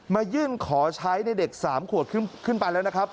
มายื่นขอใช้ในเด็ก๓ขวบขึ้นไปแล้วนะครับ